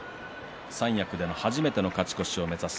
三役での初めての勝ち越しを目指す